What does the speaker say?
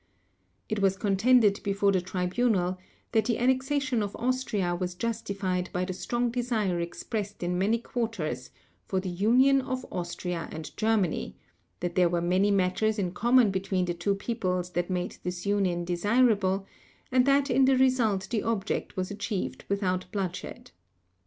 It was contended before the Tribunal that the annexation of Austria was justified by the strong desire expressed in many quarters for the union of Austria and Germany; that there were many matters in common between the two peoples that made this union desirable; and that in the result the object was achieved without bloodshed.